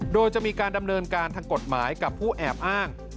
โดยจะมีการดำเนินการทางกฎหมายกับผู้แอบอ้าง